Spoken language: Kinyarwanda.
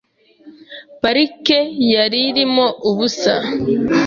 Parike yari irimo ubusa .